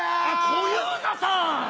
小遊三さん！